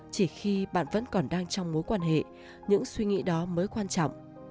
chỉ khi bạn vẫn còn đang trong mối quan hệ những suy nghĩ đó mới quan trọng